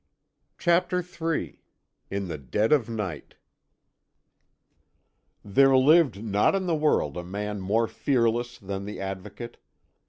CHAPTER III IN THE DEAD OF NIGHT There lived not in the world a man more fearless than the Advocate.